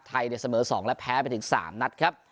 ไทยเสมอ๒และแพ้ไปถึง๓นัดครับ